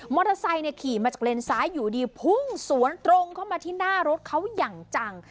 ขี่มาจากเลนซ้ายอยู่ดีพุ่งสวนตรงเข้ามาที่หน้ารถเขาอย่างจัง